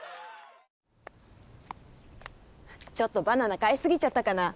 ちょっとバナナかいすぎちゃったかな！